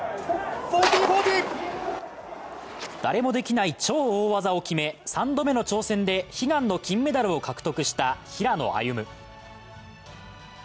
誰もできない超大技を決め、３度目の挑戦で悲願の金メダルを獲得した平野歩夢。